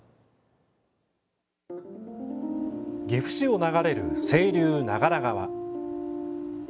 岐阜市を流れる清流、長良川。